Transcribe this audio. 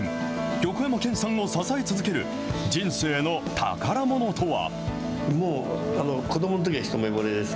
横山剣さんを支え続ける人生の宝ものとは。